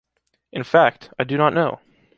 In fact ,I do not know.